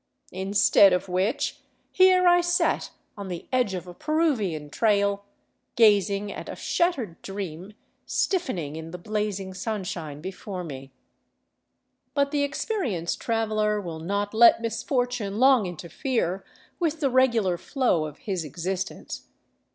Instead of which, here I sat on the edge of a Peruvian trail, 417 VAGABONDING DOWN THE ANDES gazing at a shattered dream stiffening in the blazing sunshine before me. But the experienced traveler will not let misfortune long interfere with the regular flow of his existence.